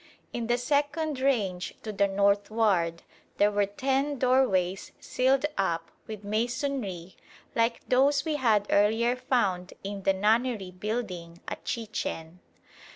In the second range to the northward there were ten doorways sealed up with masonry like those we had earlier found in the Nunnery building at Chichen.